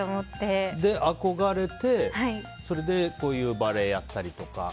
憧れて、それでバレエをやったりとか。